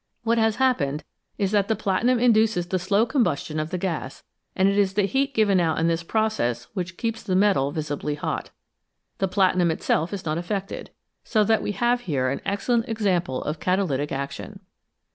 What has happened is that the platinum induces the slow combustion of the gas, and it is the heat given out in this process which keeps the metal visibly hot. The platinum itself is not affected, so that we have here an excellent example of catalytic action.